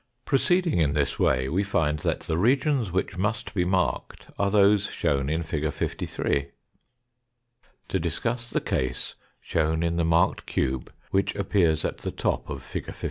Proceeding in this way, we find that the regions which must be marked are those shown in fig. 53. To discuss the case shown in the marked cube which appears at the top of fig. 53.